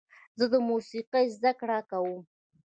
زه د موسیقۍ زده کړه کوم.